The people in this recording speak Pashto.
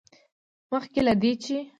مخکې له دې، چې